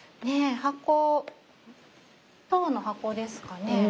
箱籐の箱ですかね。